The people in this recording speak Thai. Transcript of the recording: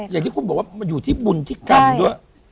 อย่างที่คุณบอกว่ามันอยู่ที่บุญที่กรรมด้วย